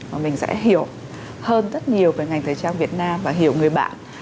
và mình sẽ hiểu hơn rất nhiều về ngành thời trang việt nam và hiểu người bạn